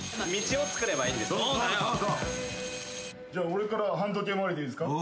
俺から反時計回りでいいですか？